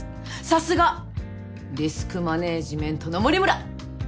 さすがリスクマネジメントの森村。